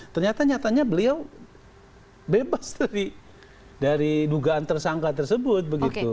ternyata nyatanya beliau bebas dari dugaan tersangka tersebut begitu